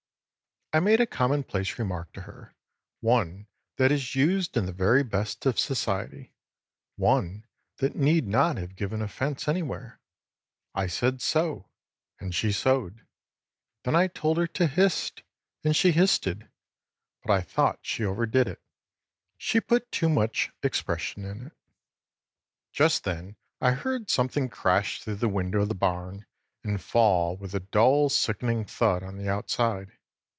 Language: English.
I made a common place remark to her, one that is used in the very best of society, one that need not have given offense anywhere. I said "so" and she "soed". Then I told her to "histe" and she histed. But I thought she overdid it. She put too much expression in it. Just then I heard something crash through the window of the barn and fall with a dull, sickening thud on the outside.